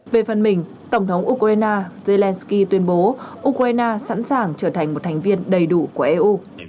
về phần mình tổng thống ukraine zelenskyy tuyên bố ukraine sẵn sàng trở thành một thành viên đầy đủ của eu